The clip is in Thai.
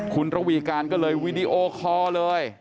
คุณระวีการก็เลยวีดีโอคอร์เลย